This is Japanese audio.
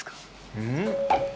うん？